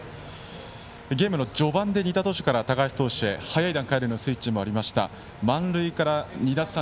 ゲームの序盤で仁田投手から高橋投手への早い段階でのスイッチもありました。